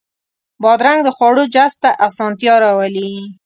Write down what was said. بادرنګ د خواړو جذب ته اسانتیا راولي.